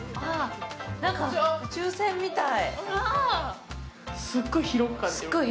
なんか宇宙船みたい。